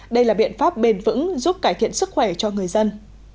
đây là biện pháp bền vững giúp cải thiện sức khỏe cho người dân